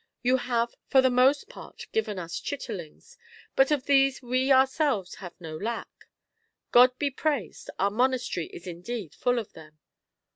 You have for the most part given us chitterlings, but of these we ourselves have no lack. God be praised, our monastery is indeed full of them.